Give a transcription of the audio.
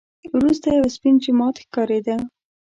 وروسته یو سپین جومات ښکارېده.